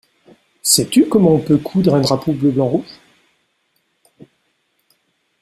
Sais-tu comment on peut coudre un drapeau bleu, blanc, rouge?